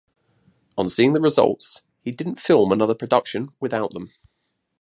On seeing the results, he didn't film another production without them.